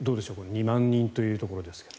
２万人というところですが。